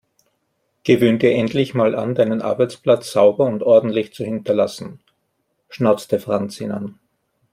Gewöhne dir endlich mal an, deinen Arbeitsplatz sauber und ordentlich zu hinterlassen, schnauzte Franz ihn an.